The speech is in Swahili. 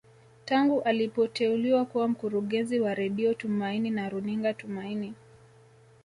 Tangu alipoteuliwa kuwa mkurungezi wa Radio Tumaini na runinga Tumaini